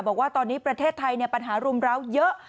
บอกว่าตอนนี้ประเทศไทยปัญหารุมร้าวเยอะ